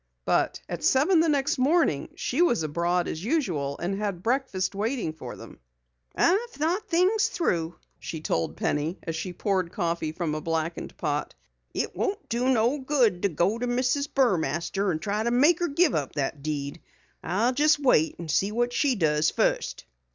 But at seven the next morning she was abroad as usual and had breakfast waiting for them. "I've thought things through," she told Penny as she poured coffee from a blackened pot. "It won't do no good to go to Mrs. Burmaster and try to make her give up that deed. I'll jes wait and see what she does fust."